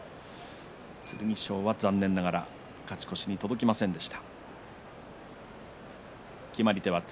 剣翔は残念ながら勝ち越しに届きませんでした。